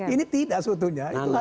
ini tidak sebetulnya